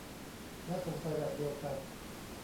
และสงสัยแบบเดียวกัน